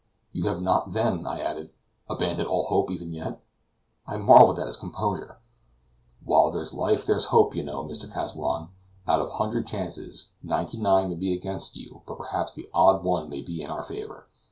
"You have not, then," I added, "abandoned all hope even yet?" I marveled at his composure. "While there's life there's hope, you know, Mr. Kazallon; out of a hundred chances, ninety nine may be against us, but perhaps the odd one may be in our favor.